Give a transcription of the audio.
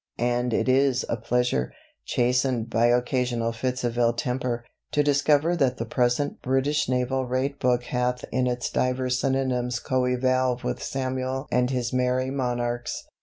And it is a pleasure, chastened by occasional fits of ill temper, to discover that the present British Naval Rate Book hath in it divers synonyms coeval with Samuel and his merry monarchs.